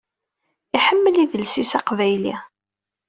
Iḥemmel idles-is aqbayli.